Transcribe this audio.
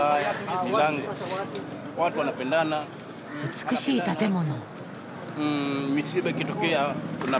美しい建物。